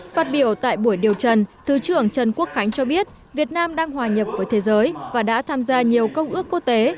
phát biểu tại buổi điều trần thứ trưởng trần quốc khánh cho biết việt nam đang hòa nhập với thế giới và đã tham gia nhiều công ước quốc tế